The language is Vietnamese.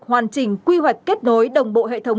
hoàn chỉnh quy hoạch kết nối đồng bộ hệ thống